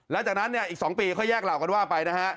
แล้วจากนั้นเนี่ยอีก๒ปีค่อยแยกเหล่ากันว่าไปนะฮะ